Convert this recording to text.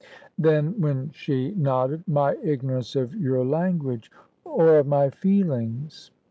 Then, when she nodded, "My ignorance of your language " "Or of my feelings?